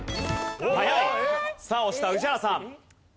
さあ押した宇治原さん。